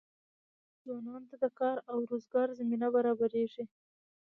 ځوانانو ته د کار او روزګار زمینه برابریږي.